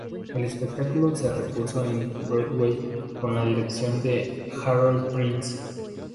El espectáculo se repuso en Broadway con la dirección de Harold Prince.